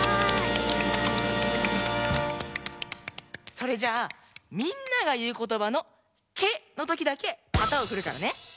それじゃあみんながいうことばの「ケ」のときだけ旗をふるからね。